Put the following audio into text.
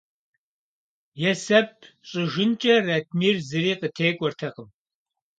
Есэп щӏыжынкӏэ Ратмир зыри къытекӏуэртэкъым.